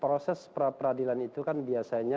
proses pra peradilan itu kan bisa dianggap sebagai tersangkaan